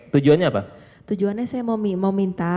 tujuannya apa tujuannya saya mau minta